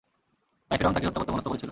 তাই ফিরআউন তাঁকে হত্যা করতে মনস্থ করেছিল।